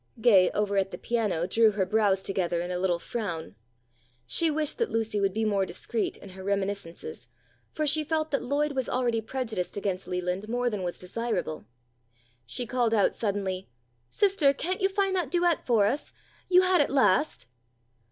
Gay, over at the piano, drew her brows together in a little frown. She wished that Lucy would be more discreet in her reminiscences, for she felt that Lloyd was already prejudiced against Leland more than was desirable. She called out suddenly, "Sister, can't you find that duet for us? You had it last."